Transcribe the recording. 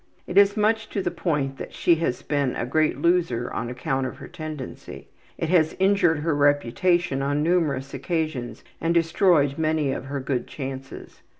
It is much to the point that she has been a great loser on account of this tendency; it has injured her reputation on numerous occasions and destroyed many of her good chances.